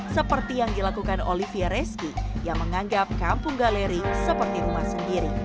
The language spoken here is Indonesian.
seperti yang dilakukan olivia reski yang menganggap kampung galeri seperti rumah sendiri